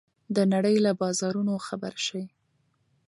د نړۍ له بازارونو خبر شئ.